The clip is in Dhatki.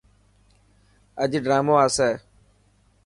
اڄ ڊرامو آسي.